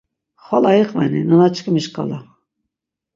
Xvala iqveni, nanaçkimi şkala.